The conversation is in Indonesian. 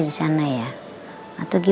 bagaimana berarti pilihan produk quindi kita